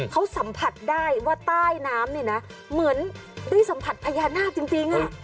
เขาสัมผัสได้ว่าใต้น้ำนี่นะเหมือนได้สัมผัสพญานาคจริง